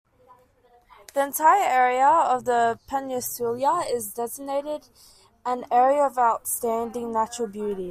The entire area of the peninsula is designated an Area of Outstanding Natural Beauty.